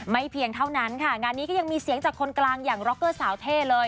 เพียงเท่านั้นค่ะงานนี้ก็ยังมีเสียงจากคนกลางอย่างร็อกเกอร์สาวเท่เลย